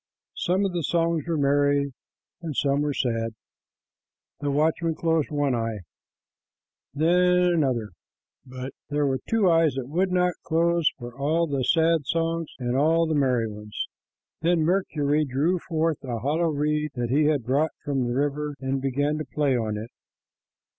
Some of the songs were merry, and some were sad. The watchman closed one eye, then another and another, but there were two eyes that would not close for all the sad songs and all the merry ones. Then Mercury drew forth a hollow reed that he had brought from the river and began to play on it.